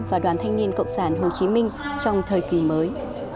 và đoàn thanh niên cộng sản hồ chí minh trong thời kỳ mới